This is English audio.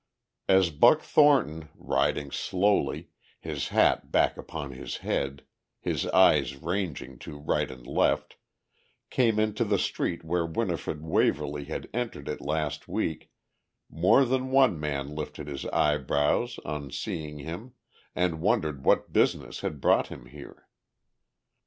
As Buck Thornton, riding slowly, his hat back upon his head, his eyes ranging to right and left, came into the street where Winifred Waverly had entered it last week, more than one man lifted his eyebrows on seeing him and wondered what business had brought him here.